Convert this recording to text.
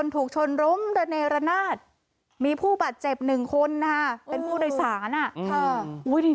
ทุกชนรมดเนรนาทมีผู้บาดเจ็บหนึ่งคนค่ะเป็นผู้โดยสารอ่ะค่ะอุ้ย